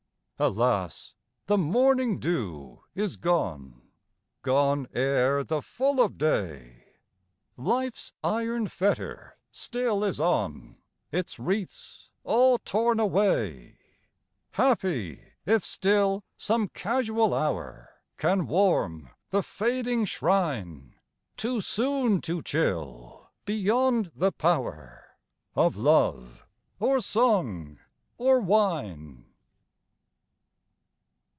Alas! the morning dew is gone, Gone ere the full of day; Life's iron fetter still is on, Its wreaths all torn away; Happy if still some casual hour Can warm the fading shrine, Too soon to chill beyond the power Of love, or song, or wine!